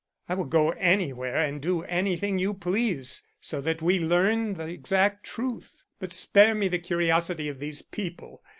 "I will go anywhere and do anything you please, so that we learn the exact truth. But spare me the curiosity of these people.